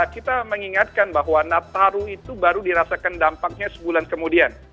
kita mengingatkan bahwa nataru itu baru dirasakan dampaknya sebulan kemudian